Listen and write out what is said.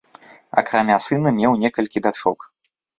Акрамя сына, меў некалькі дачок.